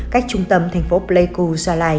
cách trung tâm thành phố pleiku gia lai